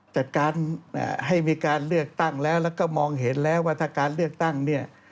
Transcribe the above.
แต่การให้มีการเลือกตั้งแล้วแล้วก็มองเห็นแล้วว่าถ้าการเลือกตั้งเนี่ย